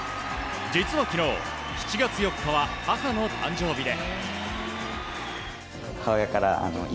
実は昨日７月４日には母の誕生日で。